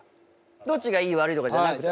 どっちがいい悪いとかじゃなくて。